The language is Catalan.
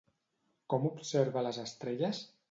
Com observa les estrelles?